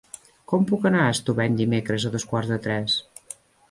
Com puc anar a Estubeny dimecres a dos quarts de tres?